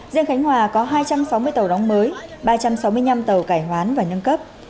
riêng khánh hòa có hai trăm sáu mươi tàu đóng mới ba trăm sáu mươi năm tàu cải hoán và nâng cấp